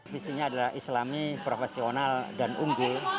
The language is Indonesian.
visinya adalah islami profesional dan unggul